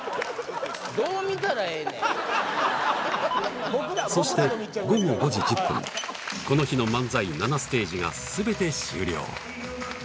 どう見たらええねんそして午後５時１０分この日の漫才７ステージがすべて終了